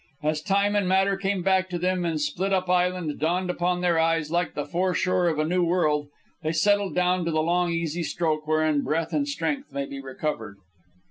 As time and matter came back to them, and Split up Island dawned upon their eyes like the foreshore of a new world, they settled down to the long easy stroke wherein breath and strength may be recovered.